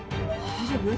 大丈夫？